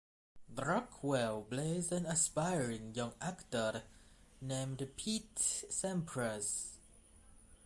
Rockwell plays an aspiring young actor named Pete Sampras.